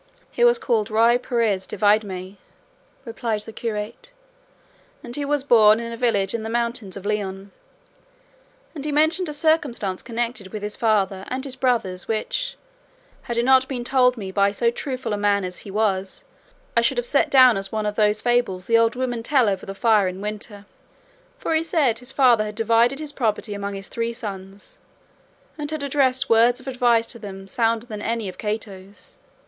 "He was called Ruy Perez de Viedma," replied the curate, "and he was born in a village in the mountains of Leon; and he mentioned a circumstance connected with his father and his brothers which, had it not been told me by so truthful a man as he was, I should have set down as one of those fables the old women tell over the fire in winter; for he said his father had divided his property among his three sons and had addressed words of advice to them sounder than any of Cato's.